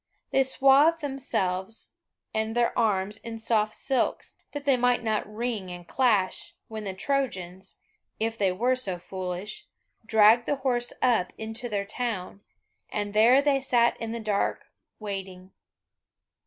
They swathed themselves and their arms in soft silks, that they might not ring and clash, when the Trojans, if they were so foolish, dragged the horse up into their town, and there they sat in the dark waiting.